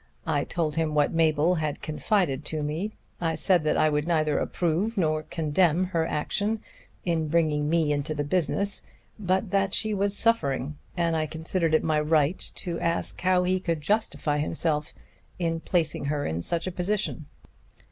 I told him what Mabel had confided to me. I said that I would neither approve nor condemn her action in bringing me into the business, but that she was suffering, and I considered it my right to ask how he could justify himself in placing her in such a position."